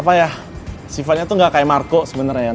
apa ya sifatnya tuh gak kayak marco sebenernya